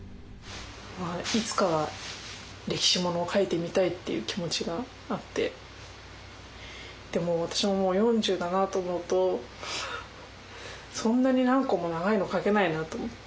まあいつかは歴史物を描いてみたいっていう気持ちがあってでも私ももう４０だなと思うとそんなに何個も長いの描けないなと思って。